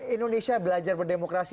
indonesia belajar berdemokrasi